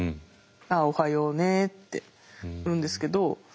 「ああおはようね」って言うんですけど。